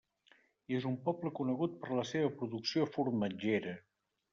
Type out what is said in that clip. És un poble conegut per la seva producció formatgera.